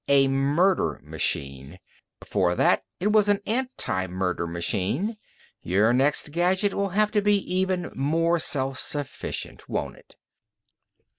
A murder machine. Before that it was an anti murder machine. Your next gadget will have to be even more self sufficient, won't it?"